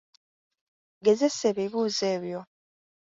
Gezesa ebibuuzo ebyo